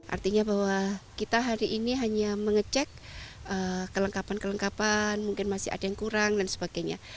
artinya bahwa kita hari ini hanya mengecek kelengkapan kelengkapan mungkin masih ada yang kurang dan sebagainya